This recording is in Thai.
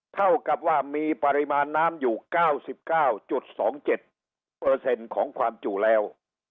เท่ากับว่ามีปริมาณน้ำอยู่๙๙๒๗ของความจู่แล้ว